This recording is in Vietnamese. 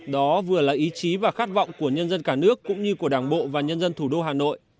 đó vừa là ý chí và khát vọng của nhân dân cả nước cũng như của đảng bộ và nhân dân thủ đô hà nội